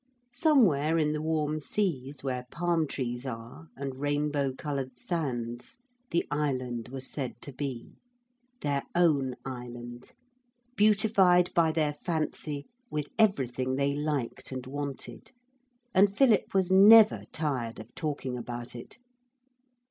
Somewhere in the warm seas where palm trees are, and rainbow coloured sands, the island was said to be their own island, beautified by their fancy with everything they liked and wanted, and Philip was never tired of talking about it.